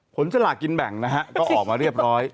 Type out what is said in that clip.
สลากินแบ่งนะฮะก็ออกมาเรียบร้อย